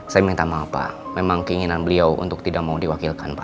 saya minta maaf pak memang keinginan beliau untuk tidak mau diwakilkan pak